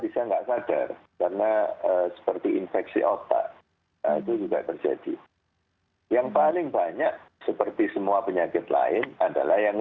seperti apa upaya pencegahan